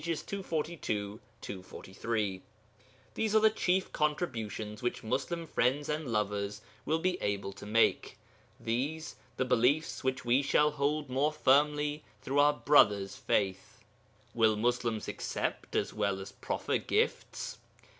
242, 243.] These are the chief contributions which Muslim friends and lovers will be able to make; these, the beliefs which we shall hold more firmly through our brothers' faith. Will Muslims accept as well as proffer gifts?